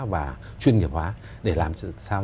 và chuyên nghiệp hóa để làm sao